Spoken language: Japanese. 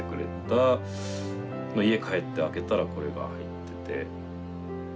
家帰って開けたらこれが入ってて。